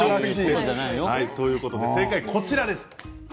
正解は、こちらです。